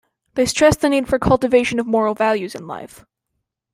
They stress the need for cultivation of moral values in life.